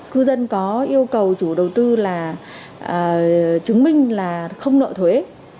cư dân có yêu cầu chủ đầu tư là chứng minh là không nợ thuế